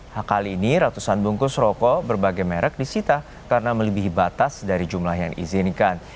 hak kali ini ratusan bungkus rokok berbagai merek disita karena melebihi batas dari jumlah yang diizinkan